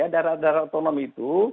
daerah daerah otonom itu